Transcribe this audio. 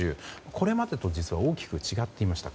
これまでと実は大きく違っていました。